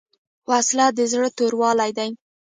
وسله د زړه توروالی دی